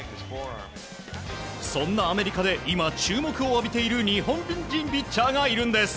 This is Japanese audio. そんなアメリカで今、注目を集めている日本人ピッチャーがいるんです。